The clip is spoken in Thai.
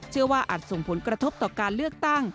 เชื่อว่าอาจส่งผลกระทบต่อการเลือกตั้ง